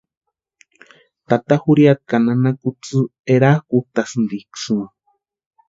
Tata jurhiata ka nana kutsï erakʼutasïntiksïni.